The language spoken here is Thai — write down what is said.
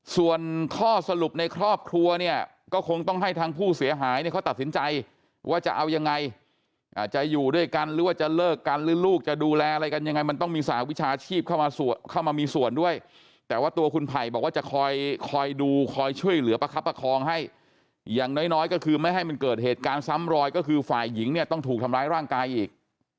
ส่วนข้อสรุปในครอบครัวเนี่ยก็คงต้องให้ทางผู้เสียหายเนี่ยเขาตัดสินใจว่าจะเอายังไงจะอยู่ด้วยกันหรือว่าจะเลิกกันหรือลูกจะดูแลอะไรกันยังไงมันต้องมีสหวิชาชีพเข้ามามีส่วนด้วยแต่ว่าตัวคุณไผ่บอกว่าจะคอยดูคอยช่วยเหลือประคับประคองให้อย่างน้อยก็คือไม่ให้มันเกิดเหตุการณ์ซ้ำรอยก็คือฝ่ายหญิงเนี่ยต้องถูกทำร้ายร่างกายอีก